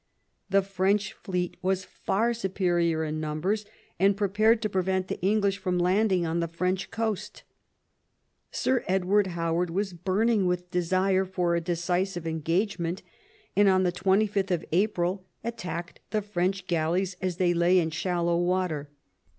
The French fleet was far superior in numbers, and prepared to prevent the English from landing on the French coast. Sir Edward H^j^d was burning with desire for a decisive engagement, and on 25th April attacked the French galleys as they lay in shallow water.